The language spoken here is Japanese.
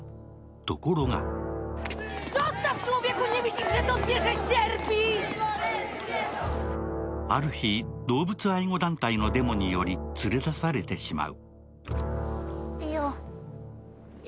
ところがある日、動物愛護団体のデモにより連れ出されてしまう。